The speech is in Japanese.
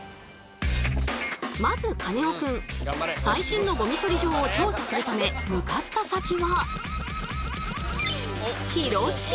まずカネオくん最新のゴミ処理場を調査するため向かった先は。